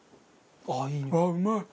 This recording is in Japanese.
ああうまい！